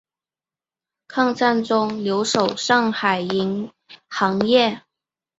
抗战中留守上海银行业。